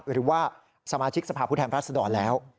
หรือว่าสมาชิกสภาพุทธแห่งพระสดอลแล้ว